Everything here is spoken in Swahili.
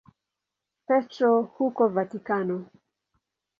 Petro huko Vatikano.